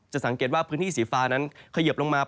จะสามเก็บว่าพื้นที่สีฟานั้นขยับลงมา